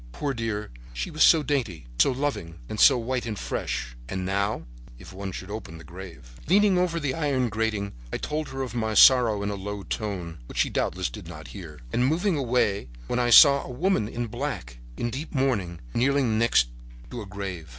Poor dear, she was so dainty, so loving and so white and fresh—and now—if one should open the grave— "Leaning over the iron grating, I told her of my sorrow in a low tone, which she doubtless did not hear, and was moving away when I saw a woman in black, in deep mourning, kneeling on the next grave.